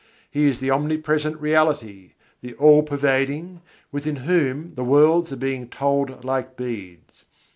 He is the omnipresent Reality, the "All pervading" within Whom "the worlds are being told like beads."